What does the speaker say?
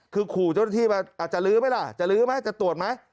คือขู่เจ้าหน้าที่ว่าอาจจะลื้อไหมล่ะจะลื้อไหมจะตรวจไหม